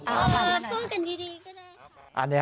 เอาว่าจะไปดิ